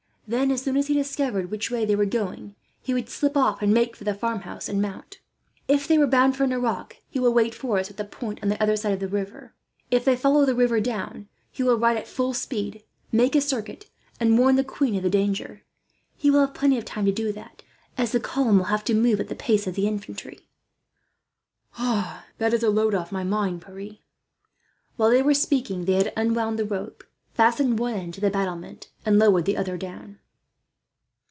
Then, as soon as he discovered which way they were going, he would slip off and make for the farmhouse and mount. If they were bound for Nerac, he will wait for us at the point on the other side of the river. If they follow the river down, he will ride at full speed, make a circuit, and warn the queen of the danger. He will have plenty of time to do that, as the column will have to move at the pace of the infantry." "That is a load off my mind, Pierre." While they were speaking they had unwound the rope, fastened one end to the battlement, and lowered the other down.